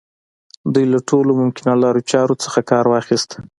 دوی له ټولو ممکنو لارو چارو څخه کار واخيست.